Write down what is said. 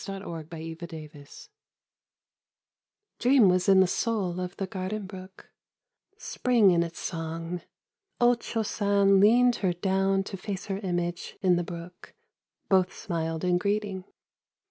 31 O CHO SAN Dream was in the soul of the garden brook, Spring in its song : O Cho San Leaned her down to face her image In the brook ; both smiled in greeting.